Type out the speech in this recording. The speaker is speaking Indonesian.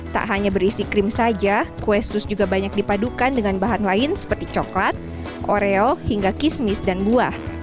tak hanya berisi krim saja kue sus juga banyak dipadukan dengan bahan lain seperti coklat oreo hingga kismis dan buah